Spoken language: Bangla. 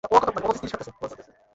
তিনি ভাগবত পুরাণ পাঠ করতেন।